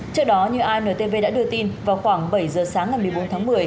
trước đó như intv đã đưa tin vào khoảng bảy giờ sáng ngày một mươi bốn tháng một mươi